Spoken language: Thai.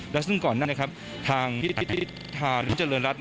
และซึ่งก่อนหน้าทางพิทธิภาครุมเจริญรัฐ